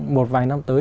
một vài năm tới